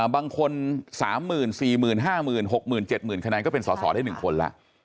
บางคน๓๐๐๐๐๔๐๐๐๐๕๐๐๐๐๖๐๐๐๐๗๐๐๐๐คะแนนก็เป็นสอได้๑คนแล้ว